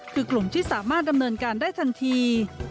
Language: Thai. คือกลุ่มที่สามารถดำเนินการได้ทันที